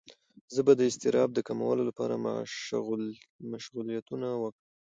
زه به د اضطراب د کمولو لپاره مشغولیتونه وکړم.